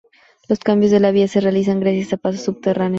Los cambios de vía se realizan gracias a pasos subterráneos.